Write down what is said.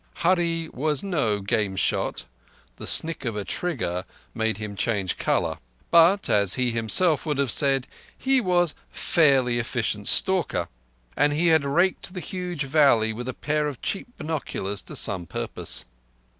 Hurree was no game shot—the snick of a trigger made him change colour—but, as he himself would have said, he was "fairly effeecient stalker", and he had raked the huge valley with a pair of cheap binoculars to some purpose.